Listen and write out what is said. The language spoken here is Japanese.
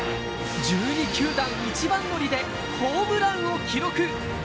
１２球団一番乗りで、ホームランを記録。